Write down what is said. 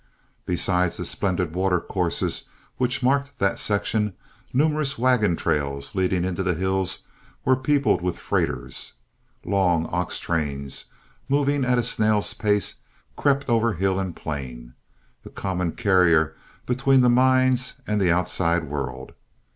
Besides the splendid watercourses which marked that section, numerous wagontrails, leading into the hills, were peopled with freighters. Long ox trains, moving at a snail's pace, crept over hill and plain, the common carrier between the mines and the outside world.